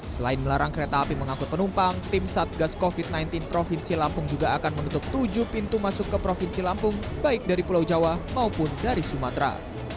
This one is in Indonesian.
selain melarang kereta api mengangkut penumpang tim satgas covid sembilan belas provinsi lampung juga akan menutup tujuh pintu masuk ke provinsi lampung baik dari pulau jawa maupun dari sumatera